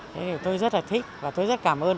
thế thì tôi rất là thích và tôi rất cảm ơn